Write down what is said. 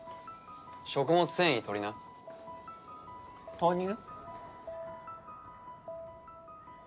食物繊維とりな豆乳？